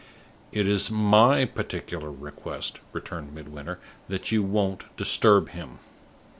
"It is my particular request," returned Midwinter, "that you won't disturb him."